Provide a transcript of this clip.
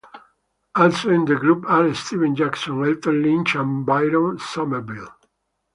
Also in the group are Steven Jackson, Elton Lynch and Byron Summerville.